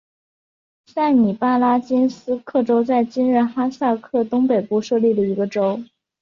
塞米巴拉金斯克州在今日哈萨克东北部设立的一个州。